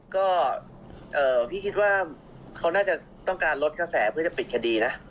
ก็พี่คิดว่าเขาน่าจะต้องการลดกระแสเพื่อจะปิดคดีนะ